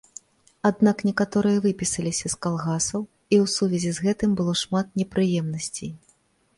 Аднак некаторыя выпісаліся з калгасаў, і ў сувязі з гэтым было шмат непрыемнасцей.